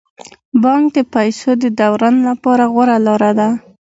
بانک د پيسو د دوران لپاره غوره لاره ده.